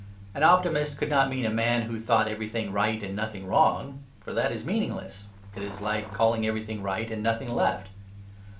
An optimist could not mean a man who thought everything right and nothing wrong. For that is meaningless; it is like calling everything right and nothing left.